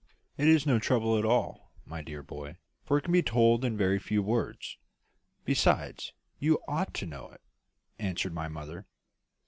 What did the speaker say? "It is no trouble at all, my dear boy, for it can be told in very few words. Besides, you ought to know it," answered my mother.